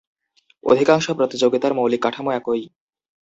অধিকাংশ প্রতিযোগিতার মৌলিক কাঠামো একই।